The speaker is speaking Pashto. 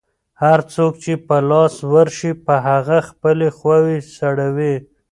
هر څوک چې په لاس ورشي، په هغه خپلې خواوې سړوي.